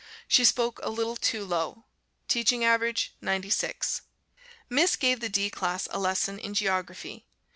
She spoke a little too low. Teaching average, 96. Miss gave the D class a lesson in Geography.